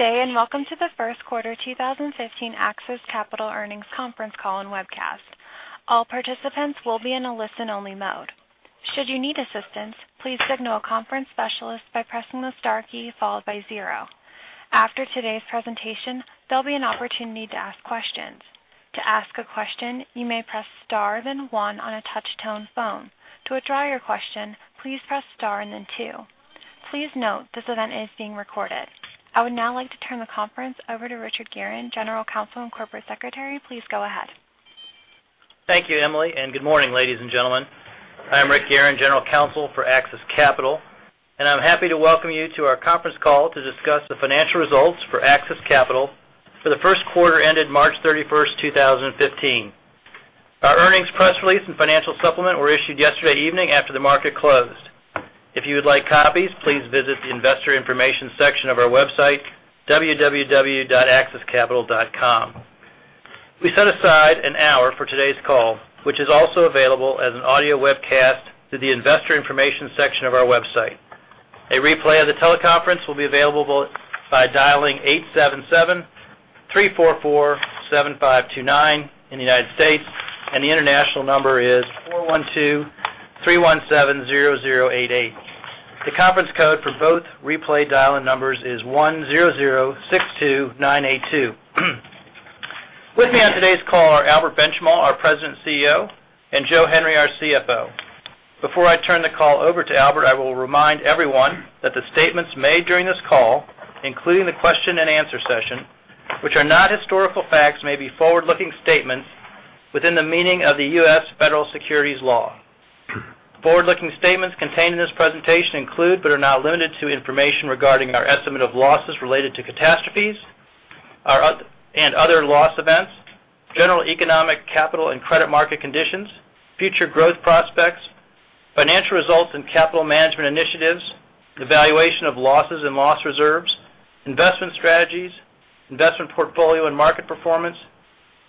Good day, welcome to the first quarter 2015 AXIS Capital earnings conference call and webcast. All participants will be in a listen-only mode. Should you need assistance, please signal a conference specialist by pressing the star key followed by zero. After today's presentation, there'll be an opportunity to ask questions. To ask a question, you may press star then one on a touch-tone phone. To withdraw your question, please press star and then two. Please note this event is being recorded. I would now like to turn the conference over to Richard Gieryn, General Counsel and Corporate Secretary. Please go ahead. Thank you, Emily, good morning, ladies and gentlemen. I am Rick Gieryn, General Counsel for AXIS Capital, and I'm happy to welcome you to our conference call to discuss the financial results for AXIS Capital for the first quarter ended March 31st, 2015. Our earnings press release and financial supplement were issued yesterday evening after the market closed. If you would like copies, please visit the investor information section of our website, www.axiscapital.com. We set aside an hour for today's call, which is also available as an audio webcast through the investor information section of our website. A replay of the teleconference will be available by dialing 877-344-7529 in the United States. The international number is 412-317-0088. The conference code for both replay dial-in numbers is 10062982. With me on today's call are Albert Benchimol, our President and CEO, and Joe Henry, our CFO. Before I turn the call over to Albert, I will remind everyone that the statements made during this call, including the question and answer session, which are not historical facts, may be forward-looking statements within the meaning of the US federal securities law. Forward-looking statements contained in this presentation include, but are not limited to, information regarding our estimate of losses related to catastrophes and other loss events, general economic, capital, and credit market conditions, future growth prospects, financial results, and capital management initiatives, the valuation of losses and loss reserves, investment strategies, investment portfolio and market performance,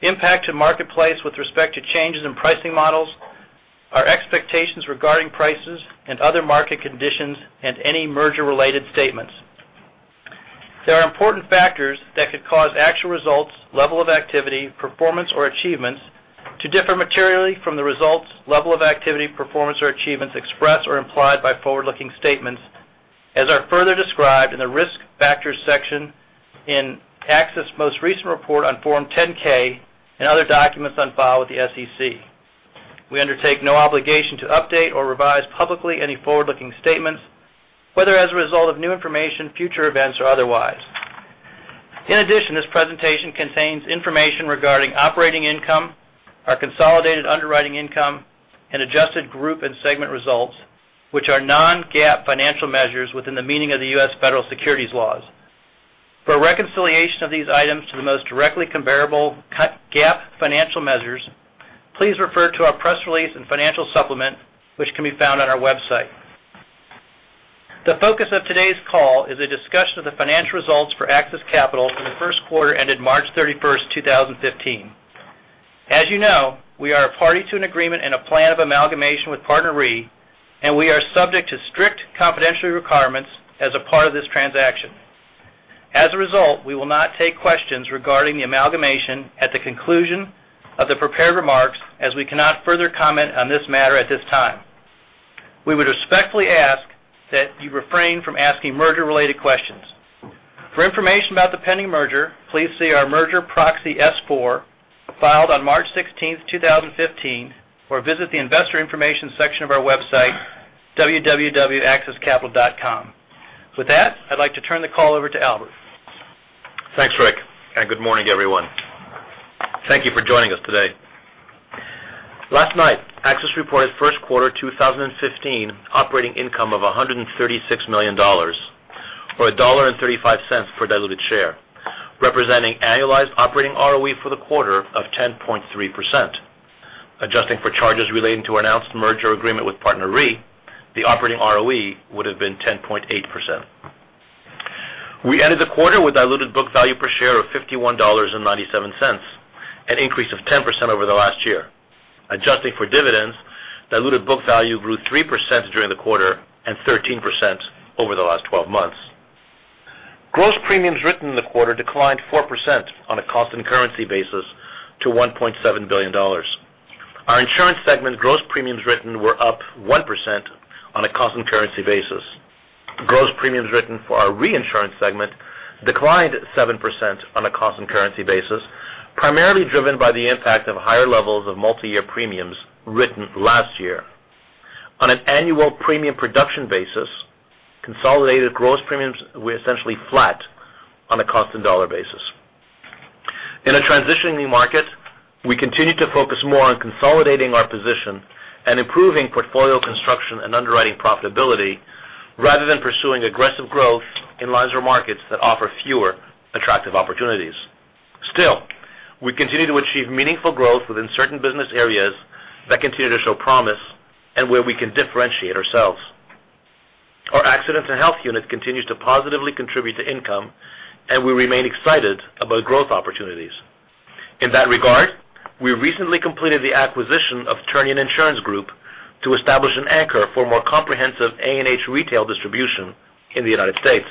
impact to marketplace with respect to changes in pricing models, our expectations regarding prices and other market conditions, and any merger-related statements. There are important factors that could cause actual results, level of activity, performance, or achievements to differ materially from the results, level of activity, performance, or achievements expressed or implied by forward-looking statements as are further described in the Risk Factors section in AXIS' most recent report on Form 10-K and other documents on file with the SEC. We undertake no obligation to update or revise publicly any forward-looking statements, whether as a result of new information, future events, or otherwise. In addition, this presentation contains information regarding operating income, our consolidated underwriting income, and adjusted group and segment results, which are non-GAAP financial measures within the meaning of the US federal securities laws. For a reconciliation of these items to the most directly comparable GAAP financial measures, please refer to our press release and financial supplement, which can be found on our website. The focus of today's call is a discussion of the financial results for AXIS Capital for the first quarter ended March 31st, 2015. As you know, we are a party to an agreement and a plan of amalgamation with PartnerRe, and we are subject to strict confidentiality requirements as a part of this transaction. As a result, we will not take questions regarding the amalgamation at the conclusion of the prepared remarks, as we cannot further comment on this matter at this time. We would respectfully ask that you refrain from asking merger-related questions. For information about the pending merger, please see our merger proxy S-4 filed on March 16th, 2015, or visit the investor information section of our website, www.axiscapital.com. With that, I'd like to turn the call over to Albert. Thanks, Rick, good morning, everyone. Thank you for joining us today. Last night, AXIS reported first quarter 2015 operating income of $136 million or $1.35 per diluted share, representing annualized operating ROE for the quarter of 10.3%. Adjusting for charges relating to our announced merger agreement with PartnerRe, the operating ROE would've been 10.8%. We ended the quarter with diluted book value per share of $51.97, an increase of 10% over the last year. Adjusting for dividends, diluted book value grew 3% during the quarter and 13% over the last 12 months. Gross premiums written in the quarter declined 4% on a constant currency basis to $1.7 billion. Our insurance segment gross premiums written were up 1% on a constant currency basis. Gross premiums written for our reinsurance segment declined 7% on a constant currency basis, primarily driven by the impact of higher levels of multi-year premiums written last year. On an annual premium production basis, consolidated gross premiums were essentially flat on a constant dollar basis. In a transitioning new market, we continue to focus more on consolidating our position and improving portfolio construction and underwriting profitability rather than pursuing aggressive growth in lines or markets that offer fewer attractive opportunities. Still, we continue to achieve meaningful growth within certain business areas that continue to show promise and where we can differentiate ourselves. Our accident and health unit continues to positively contribute to income, and we remain excited about growth opportunities. In that regard, we recently completed the acquisition of Ternian Insurance Group to establish an anchor for more comprehensive A&H retail distribution in the United States.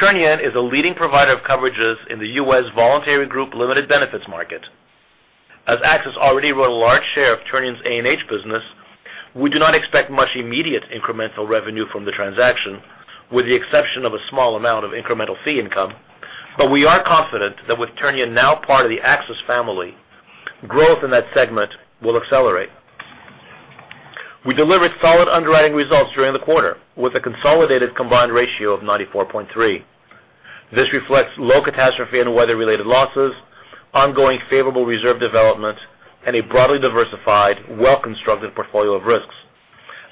Ternian is a leading provider of coverages in the US voluntary group limited benefits market. As AXIS already wrote a large share of Ternian's A&H business, we do not expect much immediate incremental revenue from the transaction, with the exception of a small amount of incremental fee income. We are confident that with Ternian now part of the AXIS family, growth in that segment will accelerate. We delivered solid underwriting results during the quarter with a consolidated combined ratio of 94.3. This reflects low catastrophe and weather-related losses, ongoing favorable reserve development, and a broadly diversified, well-constructed portfolio of risks,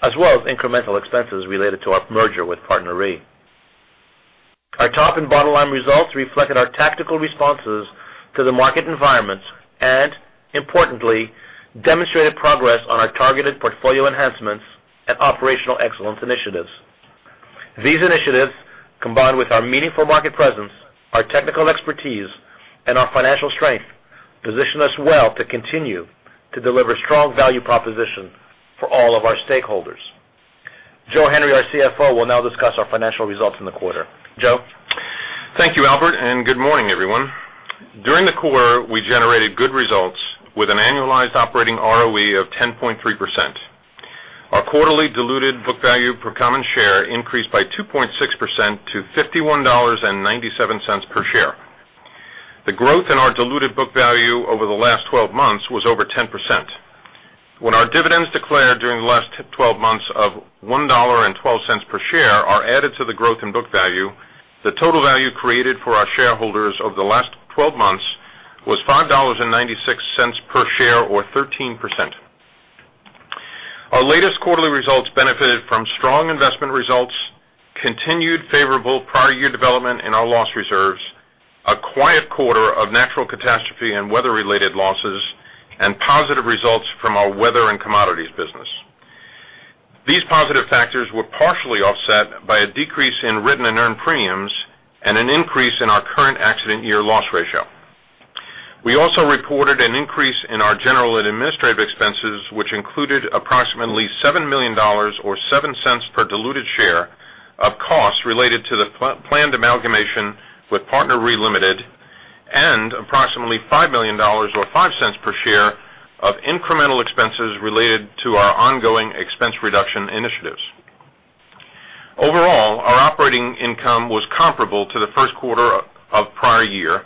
as well as incremental expenses related to our merger with PartnerRe. Our top and bottom line results reflected our tactical responses to the market environments, importantly, demonstrated progress on our targeted portfolio enhancements and operational excellence initiatives. These initiatives, combined with our meaningful market presence, our technical expertise, and our financial strength, position us well to continue to deliver strong value proposition for all of our stakeholders. Joe Henry, our CFO, will now discuss our financial results in the quarter. Joe? Thank you, Albert. Good morning, everyone. During the quarter, we generated good results with an annualized operating ROE of 10.3%. Our quarterly diluted book value per common share increased by 2.6% to $51.97 per share. The growth in our diluted book value over the last 12 months was over 10%. When our dividends declared during the last 12 months of $1.12 per share are added to the growth in book value, the total value created for our shareholders over the last 12 months was $5.96 per share or 13%. Our latest quarterly results benefited from strong investment results, continued favorable prior year development in our loss reserves, a quiet quarter of natural catastrophe and weather-related losses, and positive results from our weather and commodities business. These positive factors were partially offset by a decrease in written and earned premiums and an increase in our current accident year loss ratio. We also reported an increase in our general and administrative expenses, which included approximately $7 million or $0.07 per diluted share of costs related to the planned amalgamation with PartnerRe Ltd. and approximately $5 million or $0.05 per share of incremental expenses related to our ongoing expense reduction initiatives. Overall, our operating income was comparable to the first quarter of the prior year,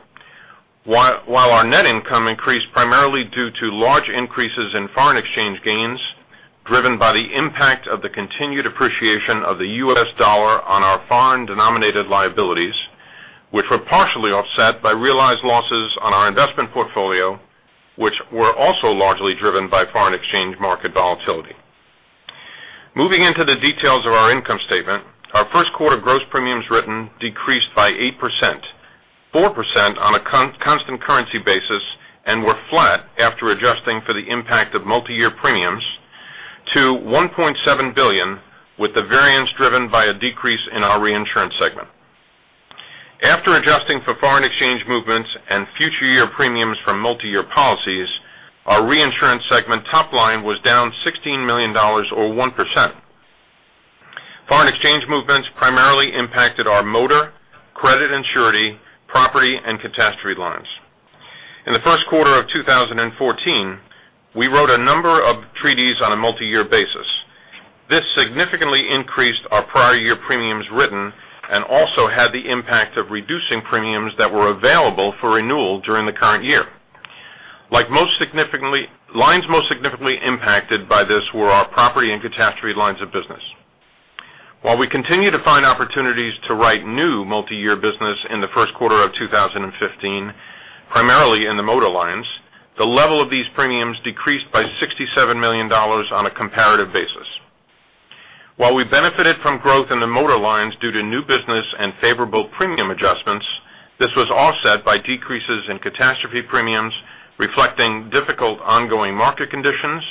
while our net income increased primarily due to large increases in foreign exchange gains, driven by the impact of the continued appreciation of the U.S. dollar on our foreign-denominated liabilities, which were partially offset by realized losses on our investment portfolio, which were also largely driven by foreign exchange market volatility. Moving into the details of our income statement, our first quarter gross premiums written decreased by 8%, 4% on a constant currency basis and were flat after adjusting for the impact of multi-year premiums to $1.7 billion, with the variance driven by a decrease in our reinsurance segment. After adjusting for foreign exchange movements and future year premiums from multi-year policies, our reinsurance segment top line was down $16 million or 1%. Foreign exchange movements primarily impacted our motor, credit and surety, property, and catastrophe lines. In the first quarter of 2014, we wrote a number of treaties on a multi-year basis. This significantly increased our prior year premiums written and also had the impact of reducing premiums that were available for renewal during the current year. Lines most significantly impacted by this were our property and catastrophe lines of business. While we continue to find opportunities to write new multi-year business in the first quarter of 2015, primarily in the motor lines, the level of these premiums decreased by $67 million on a comparative basis. While we benefited from growth in the motor lines due to new business and favorable premium adjustments, this was offset by decreases in catastrophe premiums, reflecting difficult ongoing market conditions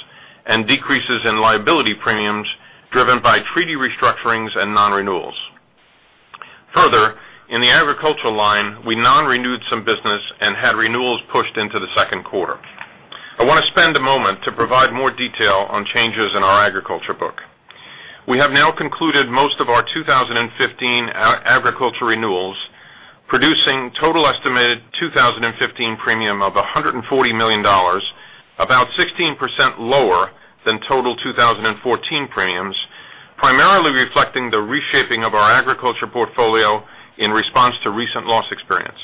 and decreases in liability premiums driven by treaty restructurings and non-renewals. Further, in the agricultural line, we non-renewed some business and had renewals pushed into the second quarter. I want to spend a moment to provide more detail on changes in our agriculture book. We have now concluded most of our 2015 agriculture renewals, producing a total estimated 2015 premium of $140 million, about 16% lower than total 2014 premiums, primarily reflecting the reshaping of our agriculture portfolio in response to recent loss experience.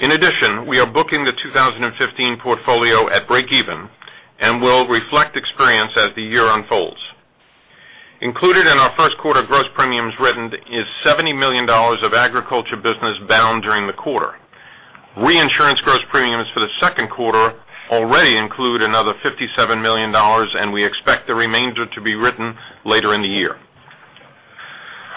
We are booking the 2015 portfolio at break even and will reflect experience as the year unfolds. Included in our first quarter gross premiums written is $70 million of agriculture business bound during the quarter. Reinsurance gross premiums for the second quarter already include another $57 million, and we expect the remainder to be written later in the year.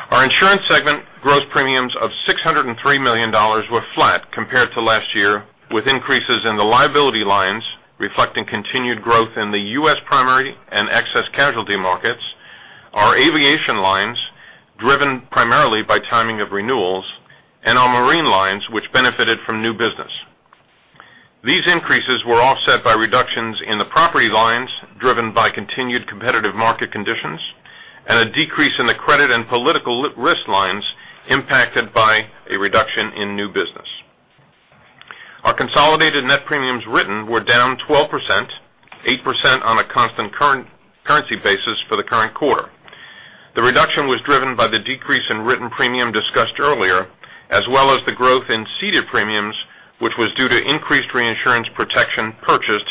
Our insurance segment gross premiums of $603 million were flat compared to last year, with increases in the liability lines reflecting continued growth in the U.S. primary and excess casualty markets, our aviation lines, driven primarily by timing of renewals, and our marine lines, which benefited from new business. These increases were offset by reductions in the property lines, driven by continued competitive market conditions, and a decrease in the credit and political risk lines impacted by a reduction in new business. Our consolidated net premiums written were down 12%, 8% on a constant currency basis for the current quarter. The reduction was driven by the decrease in written premium discussed earlier, as well as the growth in ceded premiums, which was due to increased reinsurance protection purchased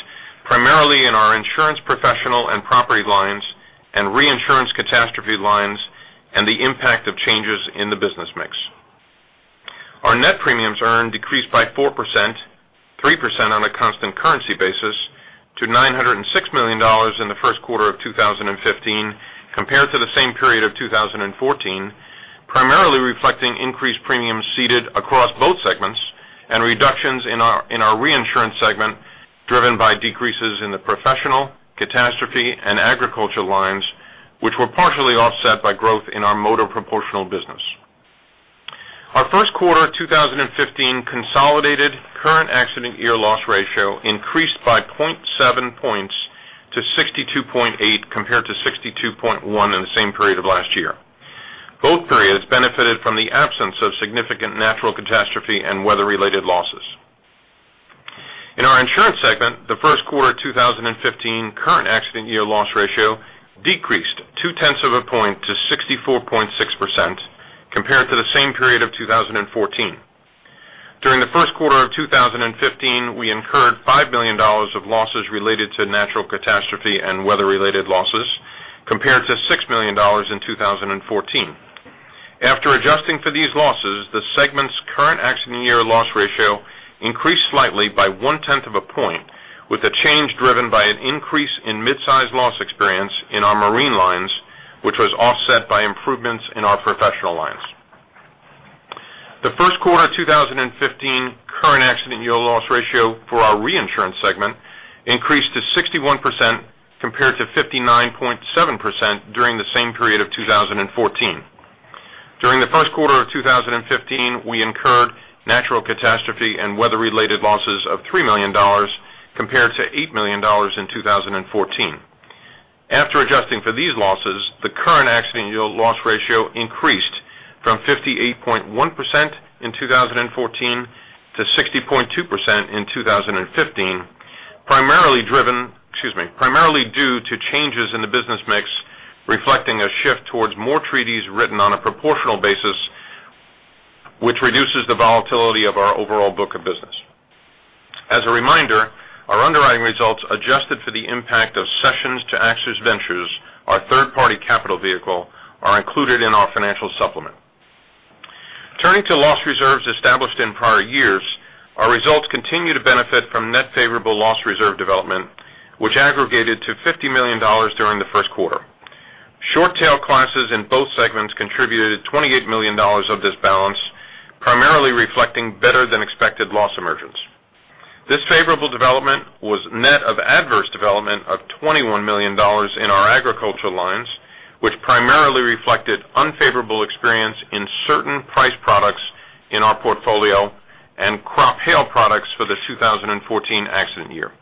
primarily in our insurance professional and property lines and reinsurance catastrophe lines, and the impact of changes in the business mix. Our net premiums earned decreased by 4%, 3% on a constant currency basis, to $906 million in the first quarter of 2015 compared to the same period of 2014, primarily reflecting increased premiums ceded across both segments and reductions in our reinsurance segment, driven by decreases in the professional, catastrophe, and agriculture lines, which were partially offset by growth in our motor proportional business. Our first quarter 2015 consolidated current accident year loss ratio increased by 0.7 points to 62.8, compared to 62.1 in the same period of last year. Both periods benefited from the absence of significant natural catastrophe and weather-related losses. In our insurance segment, the first quarter 2015 current accident year loss ratio decreased two-tenths of a point to 64.6% compared to the same period of 2014. During the first quarter of 2015, we incurred $5 million of losses related to natural catastrophe and weather-related losses, compared to $6 million in 2014. After adjusting for these losses, the segment's current accident year loss ratio increased slightly by one-tenth of a point, with the change driven by an increase in mid-size loss experience in our marine lines, which was offset by improvements in our professional lines. The first quarter 2015 current accident year loss ratio for our reinsurance segment increased to 61% compared to 59.7% during the same period of 2014. During the first quarter of 2015, we incurred natural catastrophe and weather-related losses of $3 million compared to $8 million in 2014. After adjusting for these losses, the current accident year loss ratio increased from 58.1% in 2014 to 60.2% in 2015, primarily due to changes in the business mix, reflecting a shift towards more treaties written on a proportional basis, which reduces the volatility of our overall book of business. As a reminder, our underwriting results adjusted for the impact of cessions to AXIS Ventures, our third-party capital vehicle, are included in our financial supplement. Turning to loss reserves established in prior years, our results continue to benefit from net favorable loss reserve development, which aggregated to $50 million during the first quarter. Short tail classes in both segments contributed $28 million of this balance, primarily reflecting better than expected loss emergence. This favorable development was net of adverse development of $21 million in our agriculture lines, which primarily reflected unfavorable experience in certain price products in our portfolio and crop hail products for the 2014 accident year.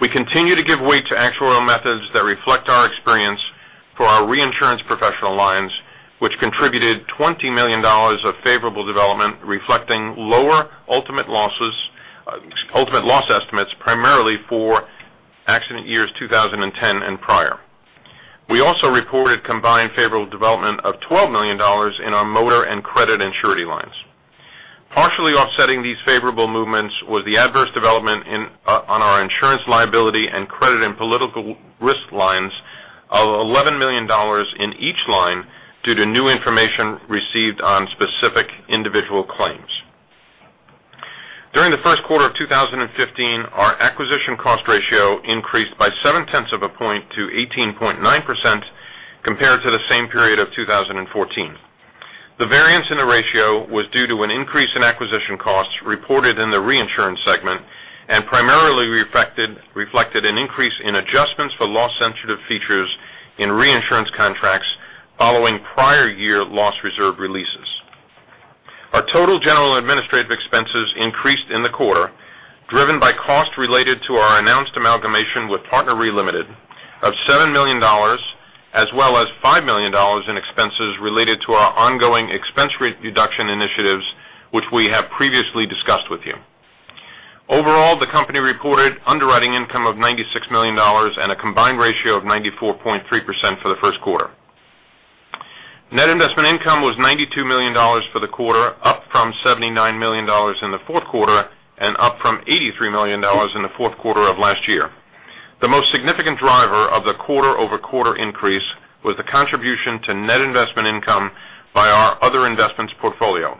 We continue to give weight to actuarial methods that reflect our experience for our reinsurance professional lines, which contributed $20 million of favorable development, reflecting lower ultimate loss estimates primarily for accident years 2010 and prior. We also reported combined favorable development of $12 million in our motor and credit and surety lines. Partially offsetting these favorable movements was the adverse development on our insurance liability and credit and political risk lines of $11 million in each line due to new information received on specific individual claims. During the first quarter of 2015, our acquisition cost ratio increased by seven-tenths of a point to 18.9% compared to the same period of 2014. The variance in the ratio was due to an increase in acquisition costs reported in the reinsurance segment and primarily reflected an increase in adjustments for loss-sensitive features in reinsurance contracts following prior year loss reserve releases. Our total general administrative expenses increased in the quarter, driven by costs related to our announced amalgamation with PartnerRe Limited of $7 million, as well as $5 million in expenses related to our ongoing expense rate reduction initiatives, which we have previously discussed with you. Overall, the company reported underwriting income of $96 million and a combined ratio of 94.3% for the first quarter. Net investment income was $92 million for the quarter, up from $79 million in the fourth quarter and up from $83 million in the fourth quarter of last year. The most significant driver of the quarter-over-quarter increase was the contribution to net investment income by our other investments portfolio.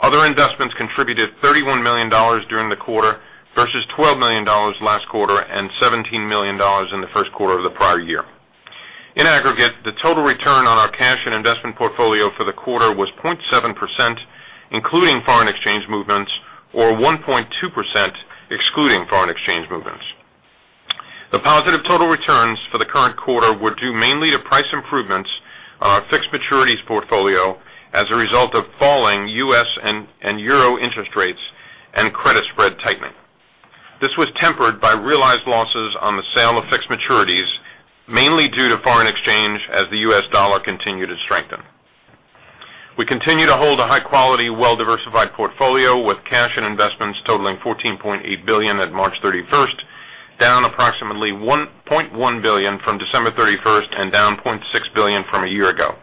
Other investments contributed $31 million during the quarter versus $12 million last quarter and $17 million in the first quarter of the prior year. In aggregate, the total return on our cash and investment portfolio for the quarter was 0.7%, including foreign exchange movements, or 1.2%. The positive total returns for the current quarter were due mainly to price improvements on our fixed maturities portfolio as a result of falling U.S. and euro interest rates and credit spread tightening. This was tempered by realized losses on the sale of fixed maturities, mainly due to foreign exchange as the US dollar continued to strengthen. We continue to hold a high-quality, well-diversified portfolio with cash and investments totaling $14.8 billion at March 31st, down approximately $1.1 billion from December 31st and down $0.6 billion from a year ago.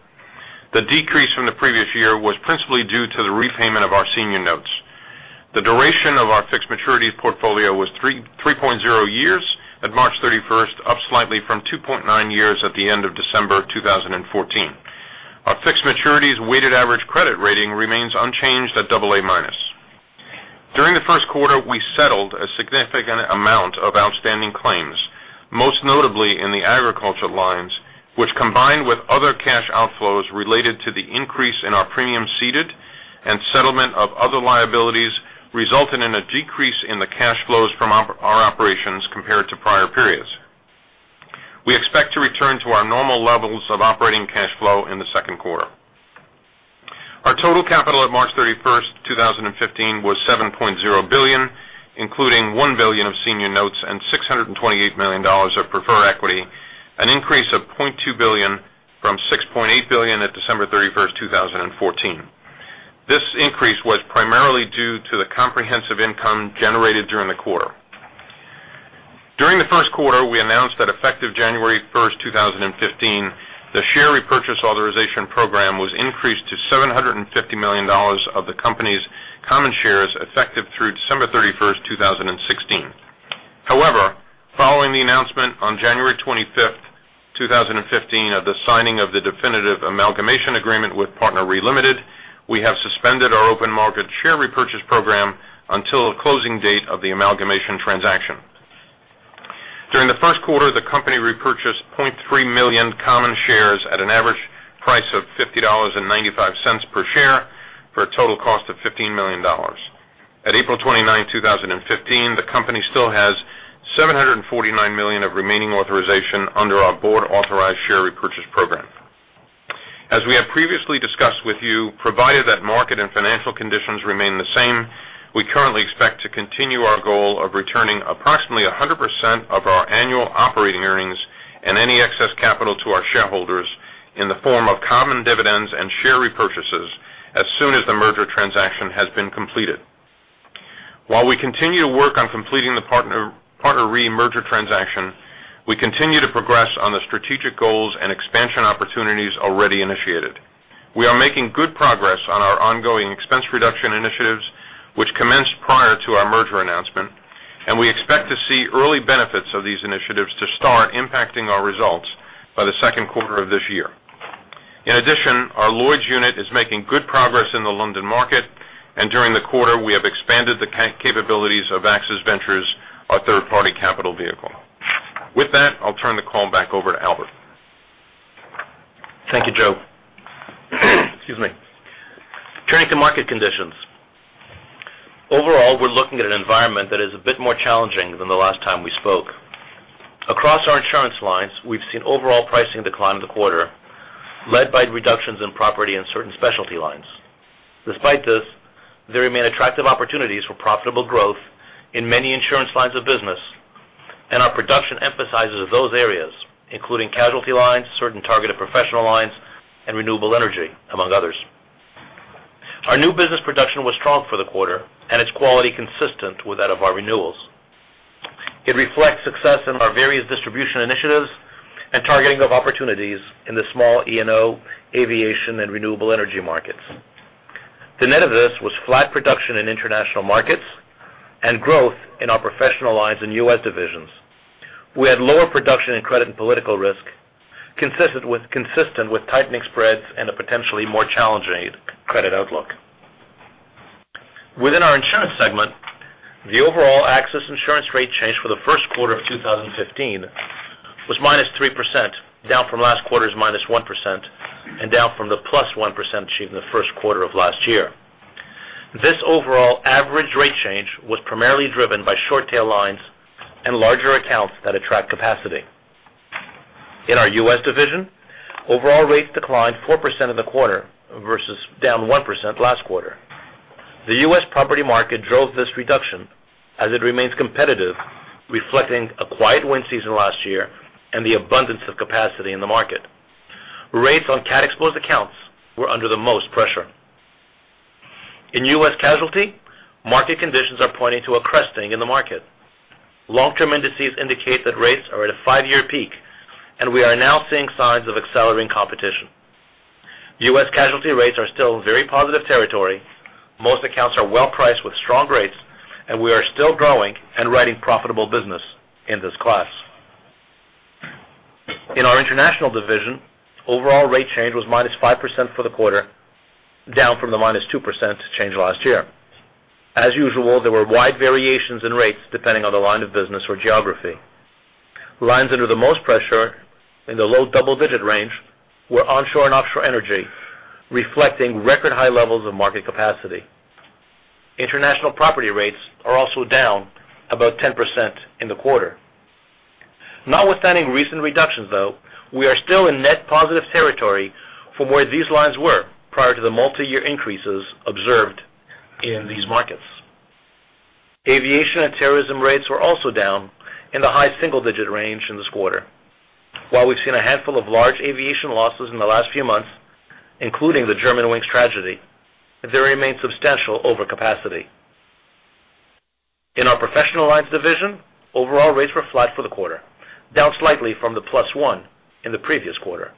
The decrease from the previous year was principally due to the repayment of our senior notes. The duration of our fixed maturities portfolio was 3.0 years at March 31st, up slightly from 2.9 years at the end of December 2014. Our fixed maturities weighted average credit rating remains unchanged at double A minus. During the first quarter, we settled a significant amount of outstanding claims, most notably in the agriculture lines, which, combined with other cash outflows related to the increase in our premiums ceded and settlement of other liabilities, resulted in a decrease in the cash flows from our operations compared to prior periods. We expect to return to our normal levels of operating cash flow in the second quarter. Our total capital at March 31st, 2015, was $7.0 billion, including $1 billion of senior notes and $628 million of preferred equity, an increase of $0.2 billion from $6.8 billion at December 31st, 2014. This increase was primarily due to the comprehensive income generated during the quarter. During the first quarter, we announced that effective January 1st, 2015, the share repurchase authorization program was increased to $750 million of the company's common shares effective through December 31st, 2016. Following the announcement on January 25th, 2015, of the signing of the definitive amalgamation agreement with PartnerRe Ltd., we have suspended our open market share repurchase program until the closing date of the amalgamation transaction. During the first quarter, the company repurchased 0.3 million common shares at an average price of $50.95 per share for a total cost of $15 million. At April 29th, 2015, the company still has $749 million of remaining authorization under our board-authorized share repurchase program. As we have previously discussed with you, provided that market and financial conditions remain the same, we currently expect to continue our goal of returning approximately 100% of our annual operating earnings and any excess capital to our shareholders in the form of common dividends and share repurchases as soon as the merger transaction has been completed. While we continue to work on completing the PartnerRe merger transaction, we continue to progress on the strategic goals and expansion opportunities already initiated. We are making good progress on our ongoing expense reduction initiatives, which commenced prior to our merger announcement, and we expect to see early benefits of these initiatives to start impacting our results by the second quarter of this year. In addition, our Lloyd's unit is making good progress in the London market, and during the quarter, we have expanded the capabilities of AXIS Ventures, our third-party capital vehicle. With that, I'll turn the call back over to Albert. Thank you, Joe. Excuse me. Overall, we are looking at an environment that is a bit more challenging than the last time we spoke. Across our insurance lines, we have seen overall pricing decline in the quarter, led by reductions in property and certain specialty lines. Despite this, there remain attractive opportunities for profitable growth in many insurance lines of business, and our production emphasizes those areas, including casualty lines, certain targeted professional lines, and renewable energy, among others. Our new business production was strong for the quarter, and its quality consistent with that of our renewals. It reflects success in our various distribution initiatives and targeting of opportunities in the small E&O, aviation, and renewable energy markets. The net of this was flat production in international markets and growth in our professional lines in U.S. divisions. We had lower production in credit and political risk, consistent with tightening spreads and a potentially more challenging credit outlook. Within our insurance segment, the overall AXIS Capital insurance rate change for the first quarter of 2015 was -3%, down from last quarter's -1% and down from the +1% achieved in the first quarter of last year. This overall average rate change was primarily driven by short-tail lines and larger accounts that attract capacity. In our U.S. division, overall rates declined 4% in the quarter versus down 1% last quarter. The U.S. property market drove this reduction as it remains competitive, reflecting a quiet wind season last year and the abundance of capacity in the market. Rates on CATs exposed accounts were under the most pressure. In U.S. casualty, market conditions are pointing to a cresting in the market. Long-term indices indicate that rates are at a five-year peak, and we are now seeing signs of accelerating competition. U.S. casualty rates are still very positive territory. Most accounts are well priced with strong rates, and we are still growing and writing profitable business in this class. In our international division, overall rate change was -5% for the quarter, down from the -2% change last year. As usual, there were wide variations in rates depending on the line of business or geography. Lines under the most pressure in the low double-digit range were onshore and offshore energy, reflecting record high levels of market capacity. International property rates are also down about 10% in the quarter. Notwithstanding recent reductions, though, we are still in net positive territory from where these lines were prior to the multi-year increases observed in these markets. Aviation and terrorism rates were also down in the high single-digit range in this quarter. While we have seen a handful of large aviation losses in the last few months, including the Germanwings tragedy, there remains substantial overcapacity. In our professional lines division, overall rates were flat for the quarter, down slightly from the +1% in the previous quarter.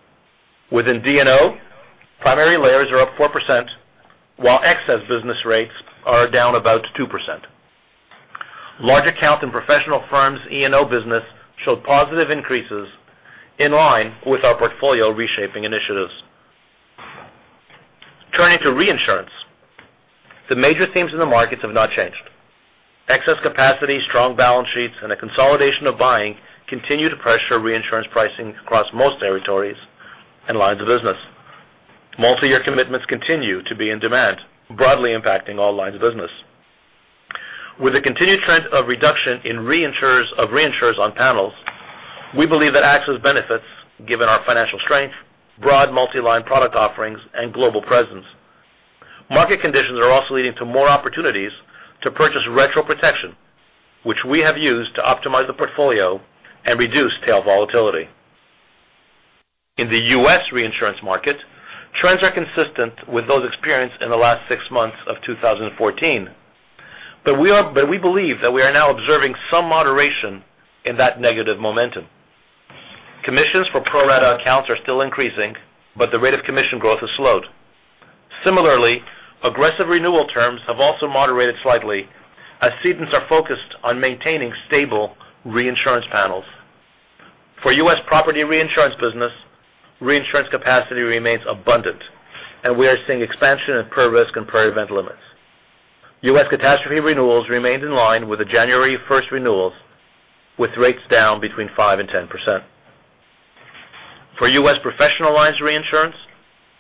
Within D&O, primary layers are up 4%, while excess business rates are down about 2%. Large account and professional firms E&O business showed positive increases in line with our portfolio reshaping initiatives. Turning to reinsurance, the major themes in the markets have not changed. Excess capacity, strong balance sheets, and a consolidation of buying continue to pressure reinsurance pricing across most territories and lines of business. Multi-year commitments continue to be in demand, broadly impacting all lines of business. With the continued trend of reduction of reinsurers on panels, we believe that AXIS benefits given our financial strength, broad multi-line product offerings, and global presence. Market conditions are also leading to more opportunities to purchase retro protection, which we have used to optimize the portfolio and reduce tail volatility. In the U.S. reinsurance market, trends are consistent with those experienced in the last six months of 2014, but we believe that we are now observing some moderation in that negative momentum. Commissions for pro-rata accounts are still increasing, but the rate of commission growth has slowed. Similarly, aggressive renewal terms have also moderated slightly as cedents are focused on maintaining stable reinsurance panels. For U.S. property reinsurance business, reinsurance capacity remains abundant, and we are seeing expansion of per risk and per event limits. U.S. catastrophe renewals remained in line with the January 1st renewals, with rates down between 5%-10%. For U.S. professional lines reinsurance,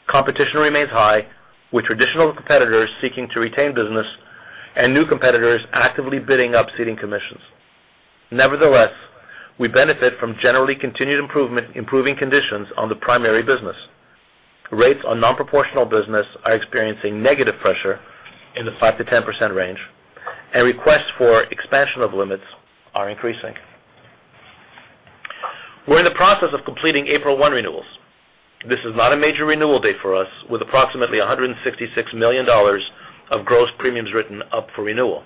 competition remains high, with traditional competitors seeking to retain business and new competitors actively bidding up ceding commissions. Nevertheless, we benefit from generally continued improving conditions on the primary business. Rates on non-proportional business are experiencing negative pressure in the 5%-10% range, and requests for expansion of limits are increasing. We're in the process of completing April 1 renewals. This is not a major renewal date for us, with approximately $166 million of gross premiums written up for renewal.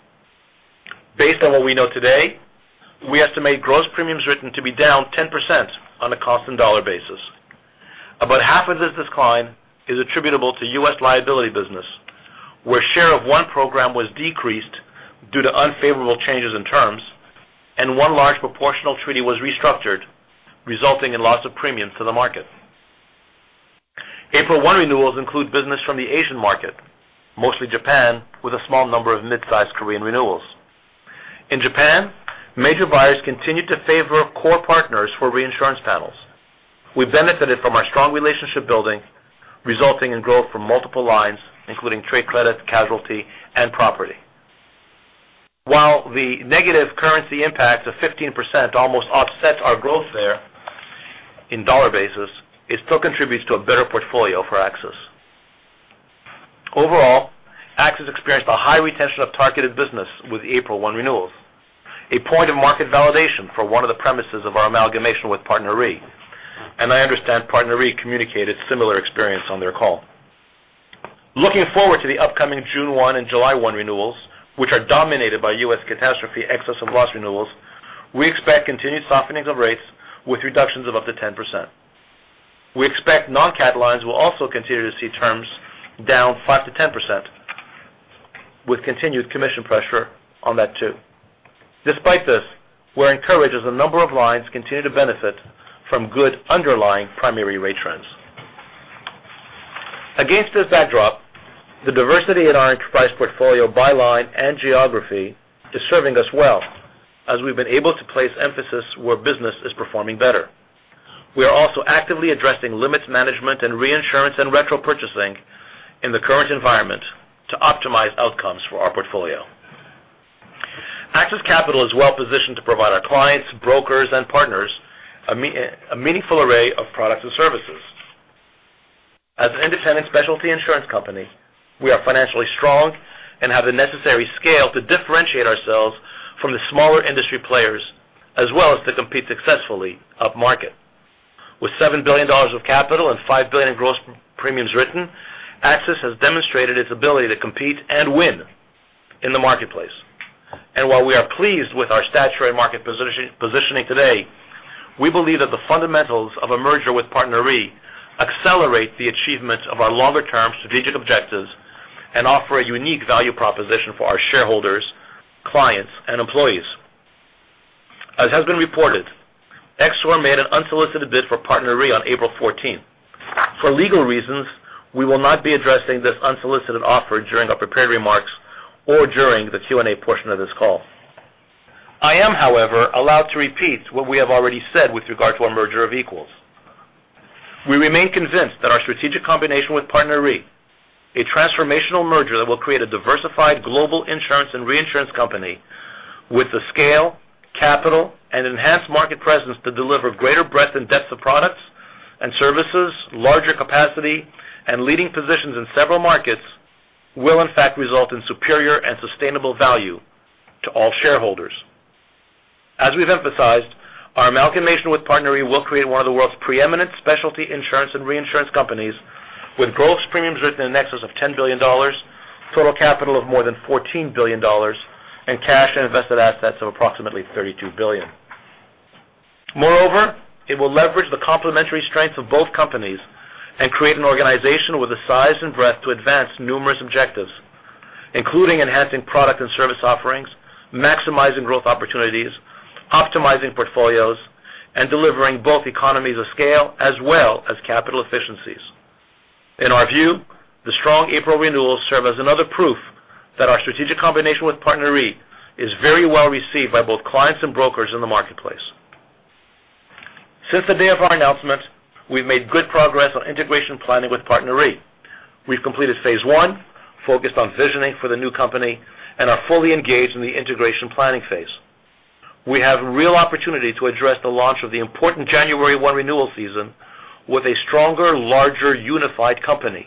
Based on what we know today, we estimate gross premiums written to be down 10% on a constant dollar basis. About half of this decline is attributable to U.S. liability business, where share of one program was decreased due to unfavorable changes in terms, and one large proportional treaty was restructured, resulting in loss of premiums to the market. April 1 renewals include business from the Asian market, mostly Japan, with a small number of mid-sized Korean renewals. In Japan, major buyers continued to favor core partners for reinsurance panels. We benefited from our strong relationship building, resulting in growth from multiple lines, including trade credit, casualty, and property. While the negative currency impact of 15% almost offsets our growth there in dollar basis, it still contributes to a better portfolio for AXIS. Overall, AXIS experienced a high retention of targeted business with April 1 renewals, a point of market validation for one of the premises of our amalgamation with PartnerRe, and I understand PartnerRe communicated similar experience on their call. Looking forward to the upcoming June 1 and July 1 renewals, which are dominated by U.S. catastrophe excess and loss renewals, we expect continued softening of rates with reductions of up to 10%. We expect non-cat lines will also continue to see terms down 5%-10%, with continued commission pressure on that, too. Despite this, we're encouraged as a number of lines continue to benefit from good underlying primary rate trends. Against this backdrop, the diversity in our enterprise portfolio by line and geography is serving us well as we've been able to place emphasis where business is performing better. We are also actively addressing limits management and reinsurance and retro purchasing in the current environment to optimize outcomes for our portfolio. AXIS Capital is well positioned to provide our clients, brokers, and partners a meaningful array of products and services. As an independent specialty insurance company, we are financially strong and have the necessary scale to differentiate ourselves from the smaller industry players, as well as to compete successfully upmarket. With $7 billion of capital and $5 billion in gross premiums written, AXIS has demonstrated its ability to compete and win in the marketplace. While we are pleased with our statutory market positioning today, we believe that the fundamentals of a merger with PartnerRe accelerate the achievements of our longer-term strategic objectives and offer a unique value proposition for our shareholders, clients, and employees. As has been reported, EXOR made an unsolicited bid for PartnerRe on April 14th. For legal reasons, we will not be addressing this unsolicited offer during our prepared remarks or during the Q&A portion of this call. I am, however, allowed to repeat what we have already said with regard to our merger of equals. We remain convinced that our strategic combination with PartnerRe, a transformational merger that will create a diversified global insurance and reinsurance company with the scale, capital, and enhanced market presence to deliver greater breadth and depth of products and services, larger capacity, and leading positions in several markets, will in fact result in superior and sustainable value to all shareholders. As we've emphasized, our amalgamation with PartnerRe will create one of the world's preeminent specialty insurance and reinsurance companies with gross premiums written in excess of $10 billion, total capital of more than $14 billion, and cash and invested assets of approximately $32 billion. It will leverage the complementary strengths of both companies and create an organization with the size and breadth to advance numerous objectives, including enhancing product and service offerings, maximizing growth opportunities, optimizing portfolios, and delivering both economies of scale as well as capital efficiencies. In our view, the strong April renewals serve as another proof that our strategic combination with PartnerRe is very well received by both clients and brokers in the marketplace. Since the day of our announcement, we've made good progress on integration planning with PartnerRe. We've completed phase I, focused on visioning for the new company, and are fully engaged in the integration planning phase. We have a real opportunity to address the launch of the important January 1 renewal season with a stronger, larger, unified company.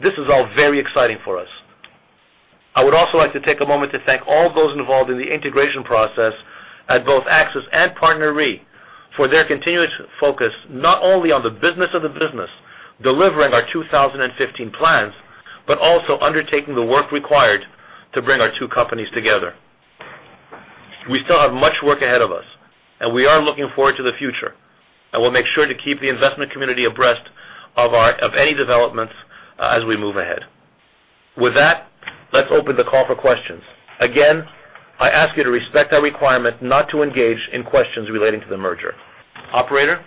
This is all very exciting for us. I would also like to take a moment to thank all those involved in the integration process at both AXIS and PartnerRe for their continuous focus, not only on the business of the business, delivering our 2015 plans, but also undertaking the work required to bring our two companies together. We still have much work ahead of us, and we are looking forward to the future, and we'll make sure to keep the investment community abreast of any developments as we move ahead. With that, let's open the call for questions. Again, I ask you to respect our requirement not to engage in questions relating to the merger. Operator?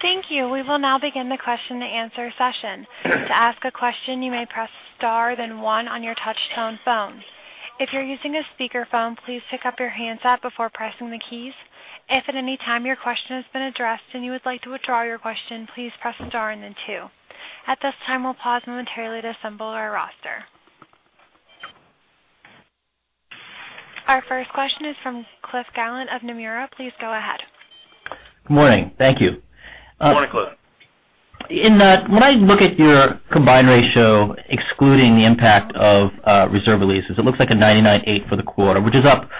Thank you. We will now begin the question and answer session. To ask a question, you may press star then one on your touchtone phone. If you're using a speakerphone, please pick up your handset before pressing the keys. If at any time your question has been addressed and you would like to withdraw your question, please press star and then two. At this time, we'll pause momentarily to assemble our roster. Our first question is from Cliff Gallant of Nomura. Please go ahead. Good morning. Thank you. Good morning, Cliff. When I look at your combined ratio, excluding the impact of reserve releases, it looks like a 99.8 for the quarter, which is up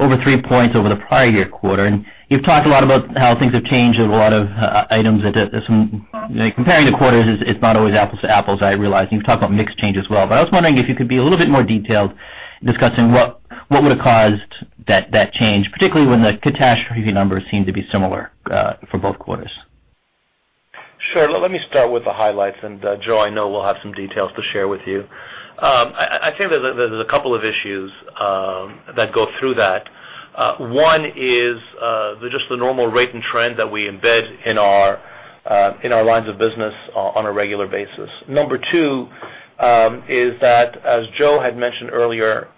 over three points over the prior year quarter. You've talked a lot about how things have changed with a lot of items that, comparing the quarters, it's not always apples to apples, I realize, and you've talked about mix change as well. I was wondering if you could be a little bit more detailed discussing what would have caused that change, particularly when the catastrophe numbers seem to be similar for both quarters. Sure. Let me start with the highlights. Joe, I know will have some details to share with you. I think there's a couple of issues that go through that. One is just the normal rate and trend that we embed in our lines of business on a regular basis. Number two is that, as Joe had mentioned earlier,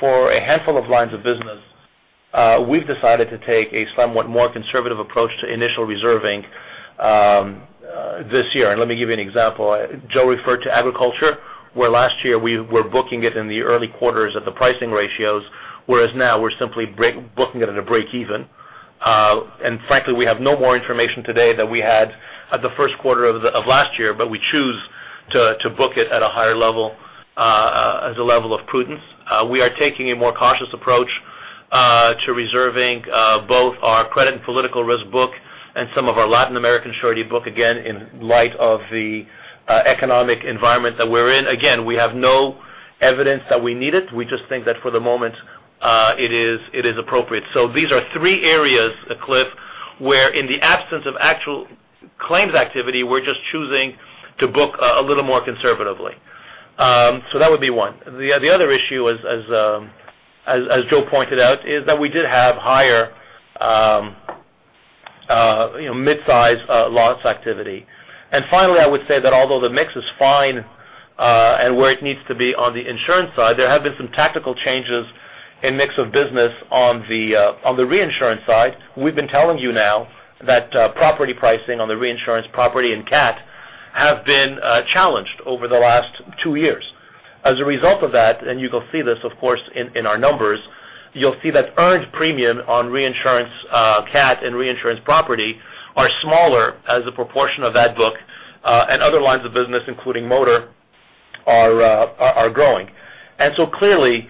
for a handful of lines of business, we've decided to take a somewhat more conservative approach to initial reserving this year. Let me give you an example. Joe referred to agriculture, where last year we were booking it in the early quarters at the pricing ratios, whereas now we're simply booking it at a breakeven. Frankly, we have no more information today than we had at the first quarter of last year, but we choose to book it at a higher level as a level of prudence. We are taking a more cautious approach to reserving both our credit and political risk book and some of our Latin American surety book, again, in light of the economic environment that we're in. Again, we have no evidence that we need it. We just think that for the moment, it is appropriate. These are three areas, Cliff, where in the absence of actual claims activity, we're just choosing to book a little more conservatively. That would be one. The other issue, as Joe pointed out, is that we did have higher mid-size loss activity. Finally, I would say that although the mix is fine and where it needs to be on the insurance side, there have been some tactical changes in mix of business on the reinsurance side. We've been telling you now that property pricing on the reinsurance property and cat have been challenged over the last two years. As a result of that, and you will see this, of course, in our numbers, you'll see that earned premium on reinsurance cat and reinsurance property are smaller as a proportion of that book, and other lines of business, including motor, are growing. Clearly,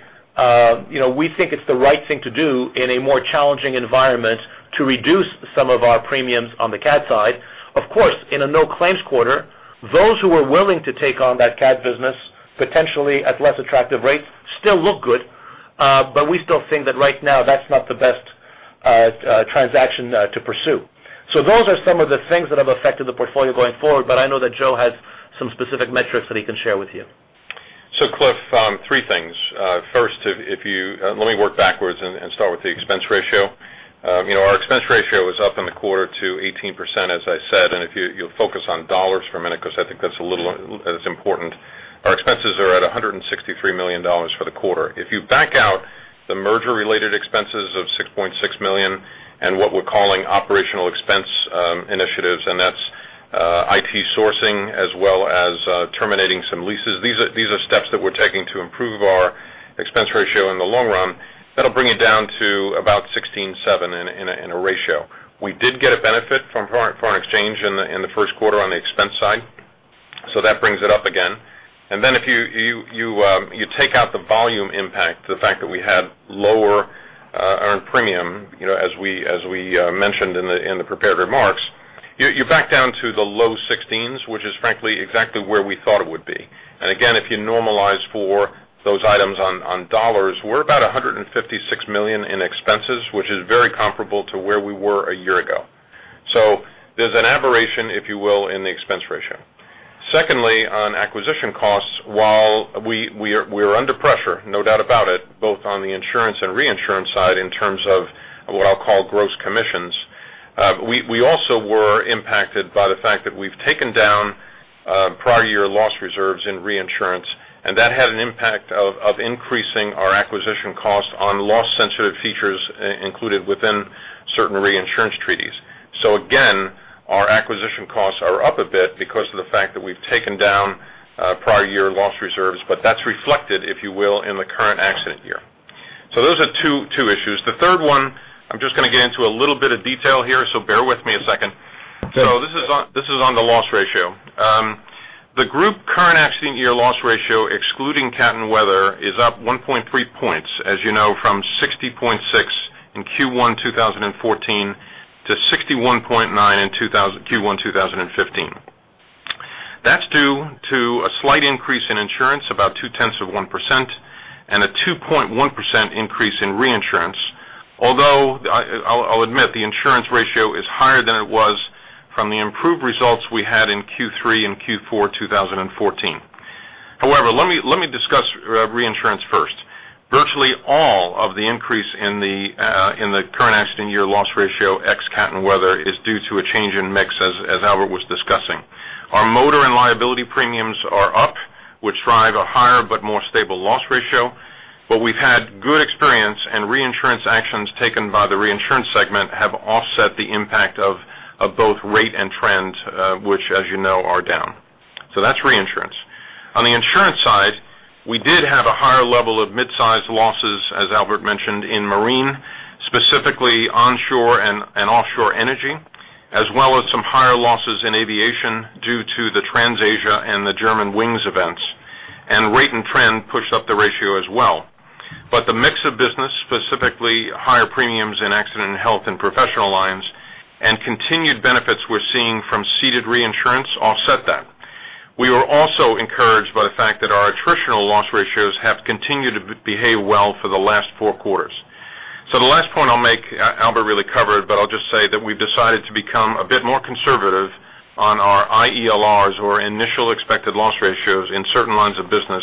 we think it's the right thing to do in a more challenging environment to reduce some of our premiums on the cat side. Of course, in a no-claims quarter, those who are willing to take on that cat business, potentially at less attractive rates, still look good. We still think that right now that's not the best transaction to pursue. Those are some of the things that have affected the portfolio going forward, but I know that Joe has some specific metrics that he can share with you. Cliff, three things. First, let me work backwards and start with the expense ratio. Our expense ratio is up in the quarter to 18%, as I said. If you'll focus on dollars for a minute, because I think that's important. Our expenses are at $163 million for the quarter. If you back out the merger related expenses of $6.6 million and what we're calling operational expense initiatives, that's IT sourcing as well as terminating some leases. These are steps that we're taking to improve our expense ratio in the long run. That'll bring it down to about 16.7% in a ratio. We did get a benefit from foreign exchange in the first quarter on the expense side. That brings it up again. If you take out the volume impact, the fact that we had lower earned premium, as we mentioned in the prepared remarks, you back down to the low 16s%, which is frankly exactly where we thought it would be. Again, if you normalize for those items on dollars, we're about $156 million in expenses, which is very comparable to where we were a year ago. There's an aberration, if you will, in the expense ratio. Secondly, on acquisition costs, while we're under pressure, no doubt about it, both on the insurance and reinsurance side in terms of what I'll call gross commissions. We also were impacted by the fact that we've taken down prior year loss reserves in reinsurance, that had an impact of increasing our acquisition cost on loss sensitive features included within certain reinsurance treaties. Again, our acquisition costs are up a bit because of the fact that we've taken down prior year loss reserves, but that's reflected, if you will, in the current accident year. Those are two issues. The third one, I'm just going to get into a little bit of detail here. Bear with me a second. This is on the loss ratio. The group current accident year loss ratio excluding CATs and weather is up 1.3 percentage points, as you know, from 60.6% in Q1 2014 to 61.9% in Q1 2015. That's due to a slight increase in insurance, about two-tenths of 1%, and a 2.1% increase in reinsurance. Although I'll admit the insurance ratio is higher than it was from the improved results we had in Q3 and Q4 2014. Let me discuss reinsurance first. Virtually all of the increase in the current accident year loss ratio ex CATs and weather is due to a change in mix, as Albert was discussing. Our motor and liability premiums are up, which drive a higher but more stable loss ratio. We've had good experience and reinsurance actions taken by the reinsurance segment have offset the impact of both rate and trend, which as you know, are down. That's reinsurance. On the insurance side, we did have a higher level of mid-sized losses, as Albert mentioned, in marine, specifically onshore and offshore energy, as well as some higher losses in aviation due to the TransAsia and the Germanwings events. Rate and trend pushed up the ratio as well. The mix of business, specifically higher premiums in accident and health and professional lines and continued benefits we're seeing from ceded reinsurance offset that. We were also encouraged by the fact that our attritional loss ratios have continued to behave well for the last four quarters. The last point I'll make, Albert really covered, but I'll just say that we've decided to become a bit more conservative on our IELRs or Initial Expected Loss Ratios in certain lines of business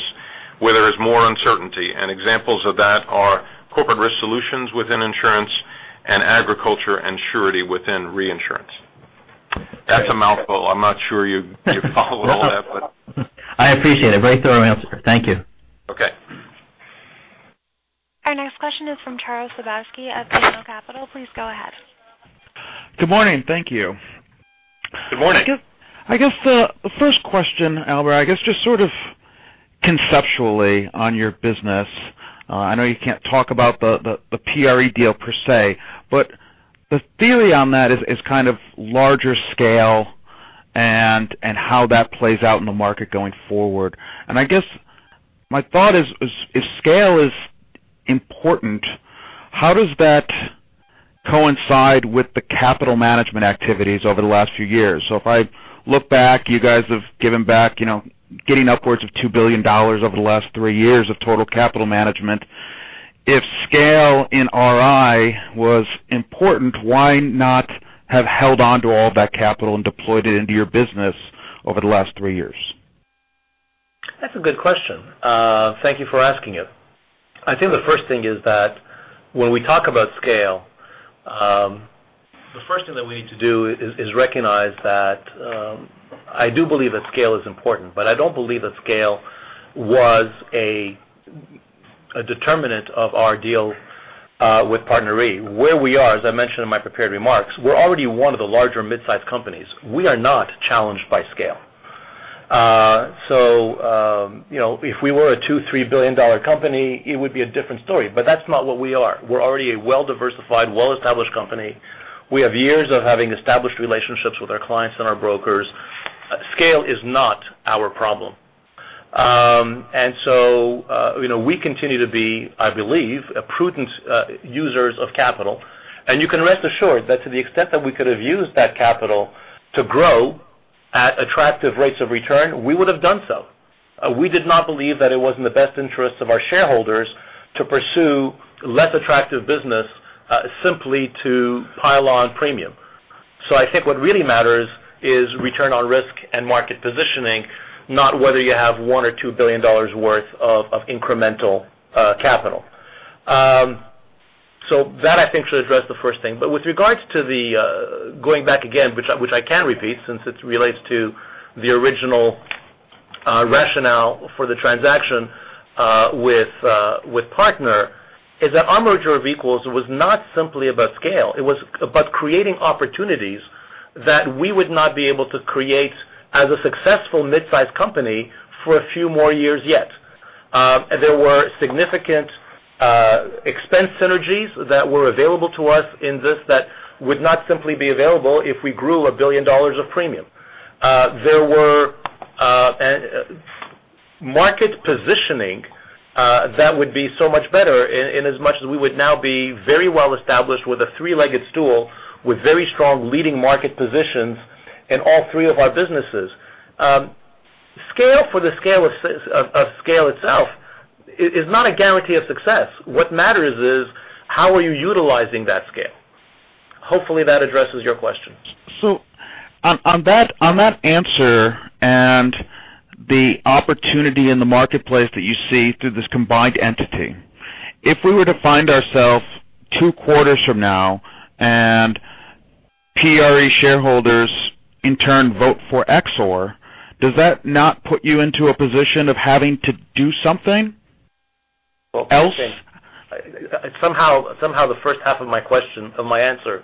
where there is more uncertainty. Examples of that are corporate risk solutions within insurance and agriculture and surety within reinsurance. That's a mouthful. I'm not sure you followed all that. I appreciate it. Very thorough answer. Thank you. Okay. Our next question is from Charles Sebaski of BMO Capital. Please go ahead. Good morning. Thank you. Good morning. I guess the first question, Albert Benchimol, I guess just conceptually on your business, I know you can't talk about the PRE deal per se, but the theory on that is kind of larger scale and how that plays out in the market going forward. I guess my thought is if scale is important, how does that coincide with the capital management activities over the last few years? If I look back, you guys have given back, getting upwards of $2 billion over the last three years of total capital management. If scale in RI was important, why not have held on to all of that capital and deployed it into your business over the last three years? That's a good question. Thank you for asking it. I think the first thing is that when we talk about scale, the first thing that we need to do is recognize that I do believe that scale is important, but I don't believe that scale was a determinant of our deal with PartnerRe. Where we are, as I mentioned in my prepared remarks, we're already one of the larger mid-size companies. We are not challenged by scale. If we were a $2 billion or $3 billion company, it would be a different story. That's not what we are. We're already a well-diversified, well-established company. We have years of having established relationships with our clients and our brokers. Scale is not our problem. We continue to be, I believe, prudent users of capital. You can rest assured that to the extent that we could have used that capital to grow at attractive rates of return, we would have done so. We did not believe that it was in the best interest of our shareholders to pursue less attractive business simply to pile on premium. I think what really matters is return on risk and market positioning, not whether you have $1 billion or $2 billion worth of incremental capital. That I think should address the first thing. With regards to the, going back again, which I can repeat since it relates to the original rationale for the transaction with PartnerRe, is that our merger of equals was not simply about scale. It was about creating opportunities that we would not be able to create as a successful mid-size company for a few more years yet. There were significant expense synergies that were available to us in this that would not simply be available if we grew $1 billion of premium. There were market positioning that would be so much better inasmuch as we would now be very well established with a three-legged stool with very strong leading market positions in all three of our businesses. Scale for the scale of scale itself is not a guarantee of success. What matters is how are you utilizing that scale? Hopefully, that addresses your questions. On that answer and the opportunity in the marketplace that you see through this combined entity, if we were to find ourselves two quarters from now and PartnerRe shareholders in turn vote for EXOR, does that not put you into a position of having to do something else? Somehow the first half of my answer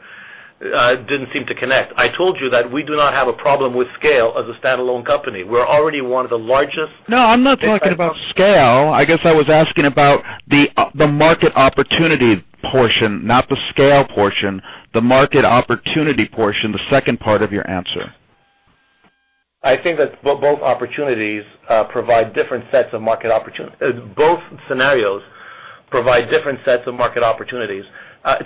didn't seem to connect. I told you that we do not have a problem with scale as a standalone company. We're already one of the largest. No, I'm not talking about scale. I guess I was asking about the market opportunity portion, not the scale portion. The market opportunity portion, the second part of your answer. I think that both scenarios provide different sets of market opportunities.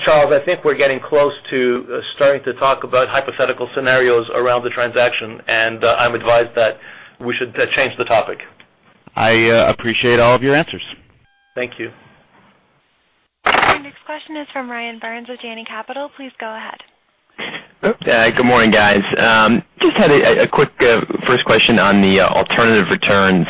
Charles, I think we're getting close to starting to talk about hypothetical scenarios around the transaction, and I'm advised that we should change the topic. I appreciate all of your answers. Thank you. Our next question is from Ryan Burns with Janney Capital. Please go ahead. Good morning, guys. Just had a quick first question on the alternative returns.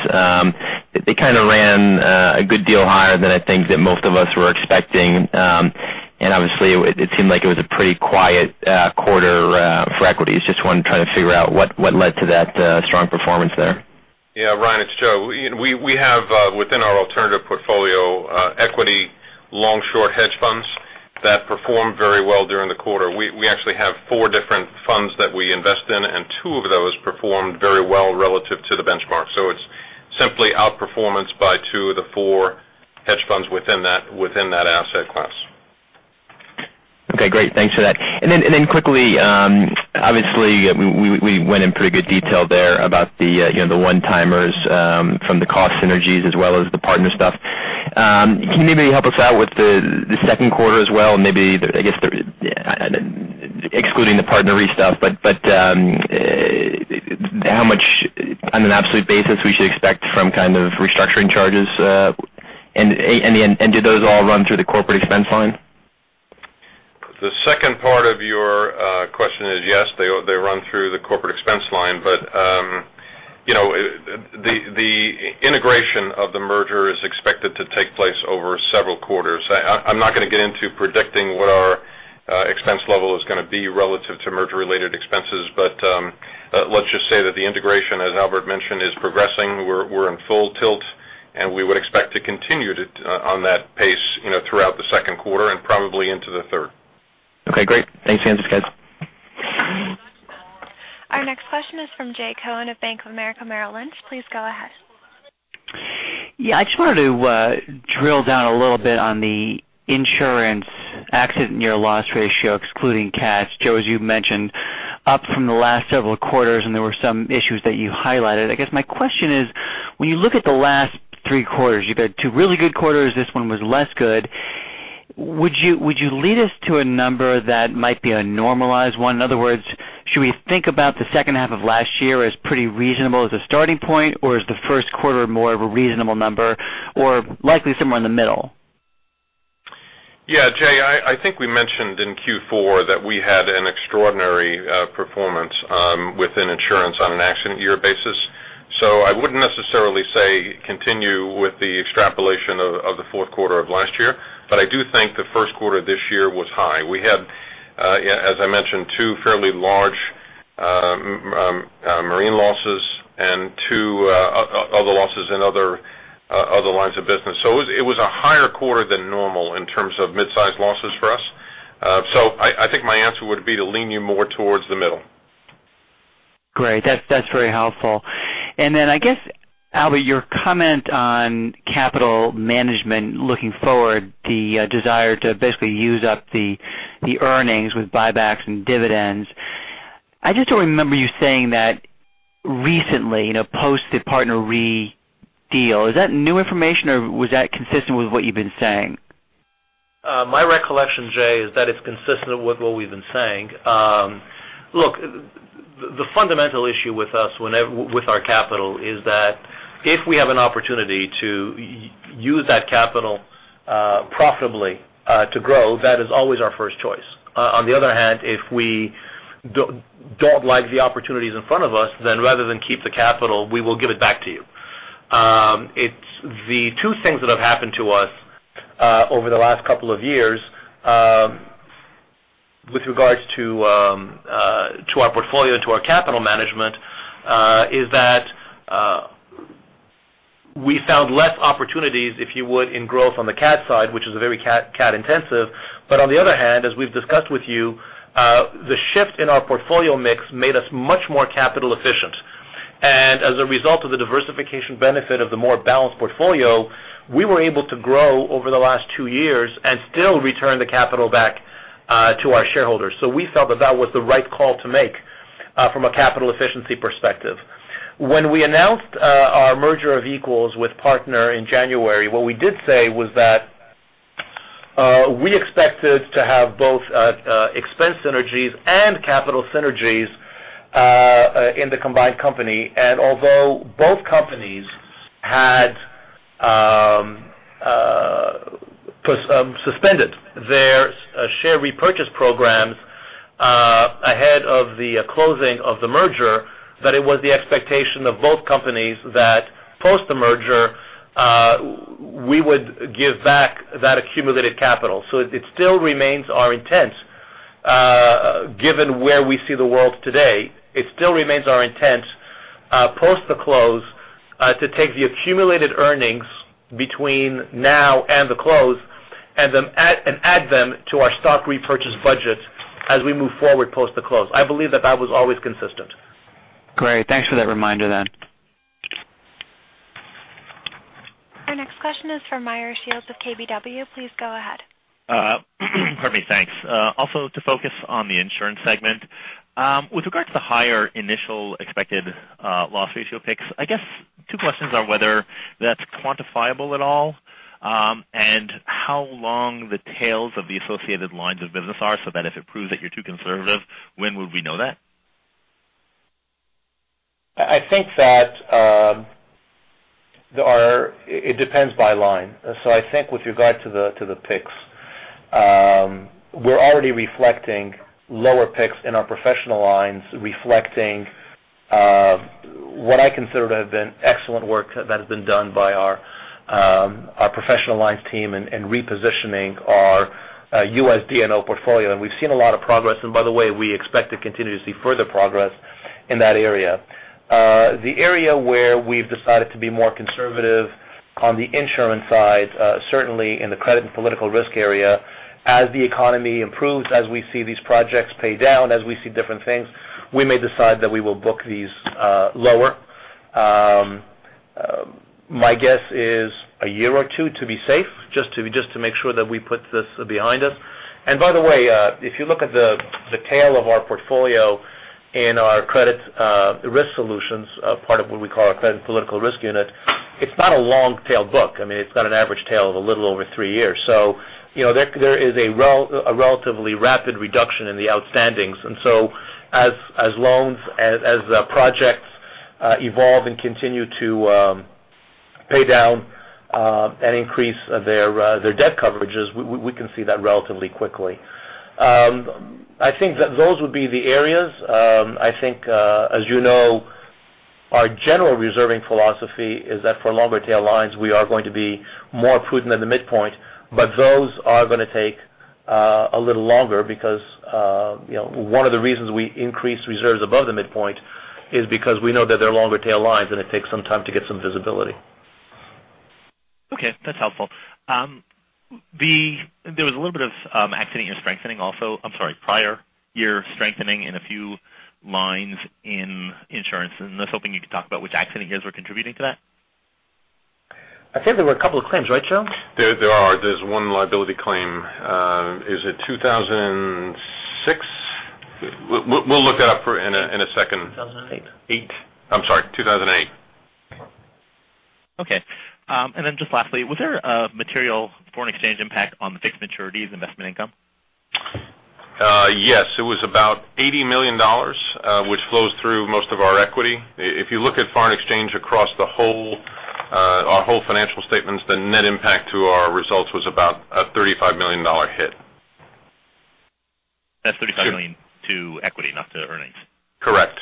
They kind of ran a good deal higher than I think that most of us were expecting. Obviously, it seemed like it was a pretty quiet quarter for equities. Just want to try to figure out what led to that strong performance there. Yeah, Ryan, it's Joe. We have within our alternative portfolio equity long-short hedge funds that performed very well during the quarter. We actually have four different funds that we invest in, and two of those performed very well relative to the benchmark. It's simply outperformance by two of the four hedge funds within that asset class. Okay, great. Thanks for that. Quickly, obviously, we went in pretty good detail there about the one-timers from the cost synergies as well as the Partner stuff. Can you maybe help us out with the second quarter as well? Maybe, I guess, excluding the PartnerRe stuff, but how much on an absolute basis we should expect from kind of restructuring charges, and did those all run through the corporate expense line? The second part of your question is yes, they run through the corporate expense line. The integration of the merger is expected to take place over several quarters. I'm not going to get into predicting what our expense level is going to be relative to merger-related expenses. Let's just say that the integration, as Albert mentioned, is progressing. We're on full tilt, and we would expect to continue on that pace throughout the second quarter and probably into the third. Okay, great. Thanks for the answers, guys. Our next question is from Jay Cohen of Bank of America Merrill Lynch. Please go ahead. Yeah, I just wanted to drill down a little bit on the insurance accident year loss ratio, excluding CATs. Joe, as you mentioned, up from the last several quarters, and there were some issues that you highlighted. I guess my question is, when you look at the last three quarters, you've had two really good quarters. This one was less good. Would you lead us to a number that might be a normalized one? In other words, should we think about the second half of last year as pretty reasonable as a starting point, or is the first quarter more of a reasonable number, or likely somewhere in the middle? Yeah, Jay, I think we mentioned in Q4 that we had an extraordinary performance within insurance on an accident year basis. I wouldn't necessarily say continue with the extrapolation of the fourth quarter of last year. I do think the first quarter this year was high. We had, as I mentioned, two fairly large marine losses and two other losses in other lines of business. It was a higher quarter than normal in terms of midsize losses for us. I think my answer would be to lean you more towards the middle. Great. That's very helpful. I guess, Albert, your comment on capital management looking forward, the desire to basically use up the earnings with buybacks and dividends. I just don't remember you saying that recently, post the PartnerRe deal. Is that new information, or was that consistent with what you've been saying? My recollection, Jay, is that it's consistent with what we've been saying. Look, the fundamental issue with us with our capital is that if we have an opportunity to use that capital profitably to grow, that is always our first choice. On the other hand, if we don't like the opportunities in front of us, then rather than keep the capital, we will give it back to you. It's the two things that have happened to us over the last couple of years with regards to our portfolio, to our capital management, is that we found less opportunities, if you would, in growth on the cat side, which is very cat intensive. On the other hand, as we've discussed with you, the shift in our portfolio mix made us much more capital efficient. As a result of the diversification benefit of the more balanced portfolio, we were able to grow over the last two years and still return the capital back to our shareholders. We felt that that was the right call to make from a capital efficiency perspective. When we announced our merger of equals with PartnerRe in January, what we did say was that we expected to have both expense synergies and capital synergies in the combined company. Although both companies had suspended their share repurchase programs ahead of the closing of the merger, that it was the expectation of both companies that post the merger, we would give back that accumulated capital. It still remains our intent, given where we see the world today, it still remains our intent, post the close, to take the accumulated earnings between now and the close and add them to our stock repurchase budget as we move forward post the close. I believe that that was always consistent. Great. Thanks for that reminder then. Our next question is from Meyer Shields of KBW. Please go ahead. Pardon me. Thanks. To focus on the insurance segment. With regard to the higher initial expected loss ratio picks, I guess two questions are whether that's quantifiable at all, and how long the tails of the associated lines of business are, so that if it proves that you're too conservative, when would we know that? I think that it depends by line. I think with regard to the picks, we're already reflecting lower picks in our professional lines, reflecting what I consider to have been excellent work that has been done by our professional lines team in repositioning our US D&O portfolio. We've seen a lot of progress. By the way, we expect to continue to see further progress in that area. The area where we've decided to be more conservative on the insurance side, certainly in the credit and political risk area, as the economy improves, as we see these projects pay down, as we see different things, we may decide that we will book these lower. My guess is a year or two to be safe, just to make sure that we put this behind us. By the way, if you look at the tail of our portfolio in our credit risk solutions, part of what we call our credit political risk unit, it's not a long-tail book. I mean, it's got an average tail of a little over three years. There is a relatively rapid reduction in the outstandings. As loans, as projects evolve and continue to pay down, and increase their debt coverages, we can see that relatively quickly. I think that those would be the areas. I think, as you know, our general reserving philosophy is that for longer tail lines, we are going to be more prudent than the midpoint. Those are going to take a little longer because one of the reasons we increase reserves above the midpoint is because we know that they're longer tail lines, and it takes some time to get some visibility. Okay. That's helpful. There was a little bit of accident year strengthening also, I'm sorry, prior year strengthening in a few lines in insurance. I was hoping you could talk about which accident years were contributing to that. I think there were a couple of claims, right, Joe? There are. There's one liability claim. Is it 2006? We'll look it up in a second. 2008. Eight. I'm sorry, 2008. Okay. Just lastly, was there a material foreign exchange impact on the fixed maturities investment income? Yes. It was about $80 million, which flows through most of our equity. If you look at foreign exchange across our whole financial statements, the net impact to our results was about a $35 million hit. That's $35 million to equity, not to earnings? Correct.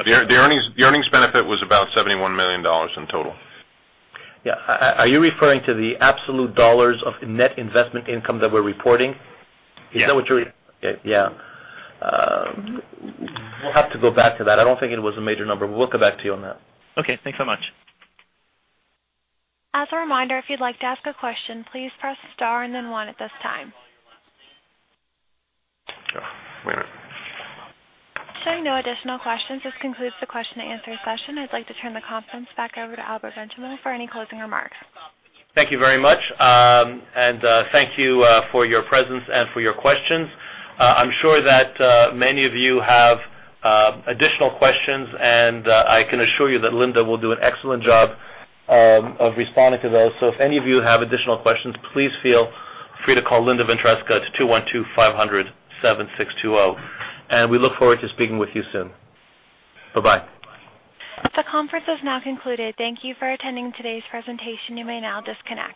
Okay. The earnings benefit was about $71 million in total. Yeah. Are you referring to the absolute dollars of net investment income that we are reporting? Yeah. Okay. Yeah. We will have to go back to that. I do not think it was a major number, but we will get back to you on that. Okay. Thanks so much. As a reminder, if you'd like to ask a question, please press star and then one at this time. Yeah. Wait a minute. Showing no additional questions, this concludes the question and answer session. I'd like to turn the conference back over to Albert Benchimol for any closing remarks. Thank you very much. Thank you for your presence and for your questions. I'm sure that many of you have additional questions, and I can assure you that Linda will do an excellent job of responding to those. If any of you have additional questions, please feel free to call Linda Ventresca at 212-500-7620. We look forward to speaking with you soon. Bye-bye. The conference is now concluded. Thank you for attending today's presentation. You may now disconnect.